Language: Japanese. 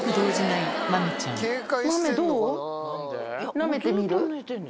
なめてみる？